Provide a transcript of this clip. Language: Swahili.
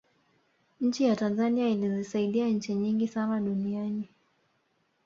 nchi ya tanzania ilizisaidia nchi nyingi sana duniani